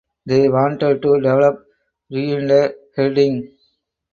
They wanted to develop reindeer herding.